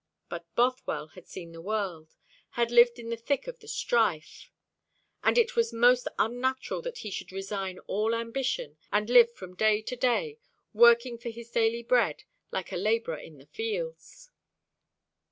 But Bothwell had seen the world, had lived in the thick of the strife; and it was most unnatural that he should resign all ambition, and live from day to day, working for his daily bread, like a labourer in the fields.